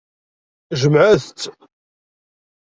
Jemɛet-t.